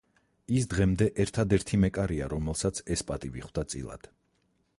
ის დღემდე ერთადერთი მეკარეა, რომელსაც ეს პატივი ხვდა წილად.